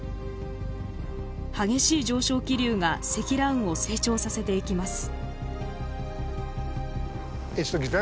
激しい上昇気流が積乱雲を成長させていきます。